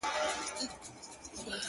د کوثر له حوضه ډکه پیمانه يې,